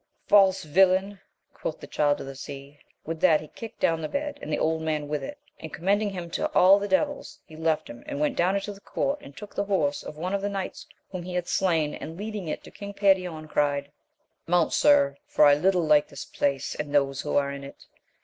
False villain ! quoth the Child of the Sea. With that he kicked down the bed, and the old man with it, and, com mending him to all the devils, he left him, and went down into the court, and took the horse of one of the knights whom he had slain, and leading it to King Perion, cried, Mount, sir ! for I little like this place, and those who are in it.